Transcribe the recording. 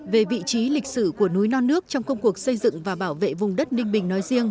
về vị trí lịch sử của núi non nước trong công cuộc xây dựng và bảo vệ vùng đất ninh bình nói riêng